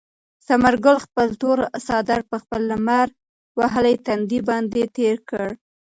ثمر ګل خپل تور څادر په خپل لمر وهلي تندي باندې تېر کړ.